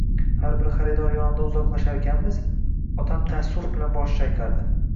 Har bir xaridor yonidan uzoqlasharkanmiz, otam taassuf bilan bosh chayqardi.